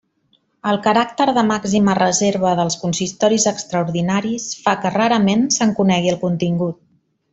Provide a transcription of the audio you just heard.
El caràcter de màxima reserva dels consistoris extraordinaris fa que rarament se'n conegui el contingut.